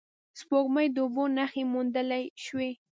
سپوږمۍ کې د اوبو نخښې موندل شوې